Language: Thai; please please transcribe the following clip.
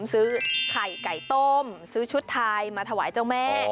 ซื้อไข่ไก่ต้มซื้อชุดไทยมาถวายเจ้าแม่